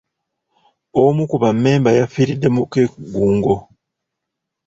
Omu ku bammemba yafiiridde mu keegugungo.